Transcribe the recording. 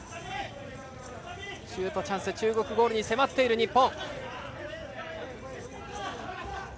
シュートチャンス中国ゴールに迫っている日本。